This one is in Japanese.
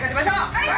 はい！